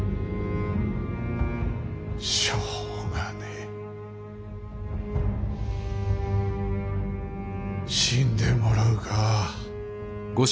しょうがねえ死んでもらうか。